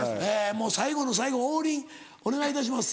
もう最後の最後王林お願いいたします。